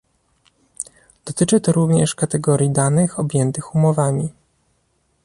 Dotyczy to również kategorii danych objętych umowami